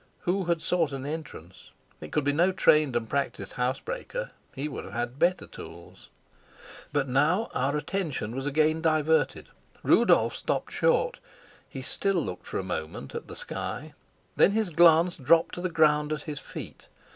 Who had sought an entrance? It could be no trained and practised housebreaker; he would have had better tools. But now our attention was again diverted. Rudolf stopped short. He still looked for a moment at the sky, then his glance dropped to the ground at his feet.